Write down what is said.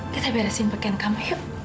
kita beresin pakaian kamu